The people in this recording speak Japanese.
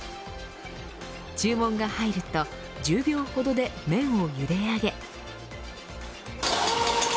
注文が入ると１０秒ほどで麺をゆであげ。